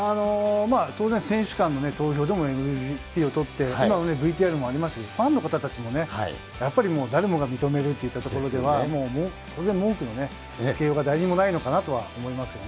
当然、選手間の投票でもＭＶＰも取って、今のＶＴＲにもありましたけれども、ファンの方たちもね、やっぱり誰もが認めるといったところでは、もう、文句のつけようがないと思いますよね。